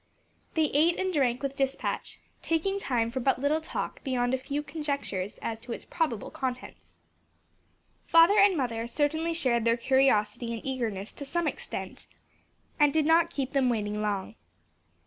They ate and drank with dispatch, taking time for but little talk beyond a few conjectures as to its probable contents. Father and mother certainly shared their curiosity and eagerness to some extent, and did not keep them waiting long.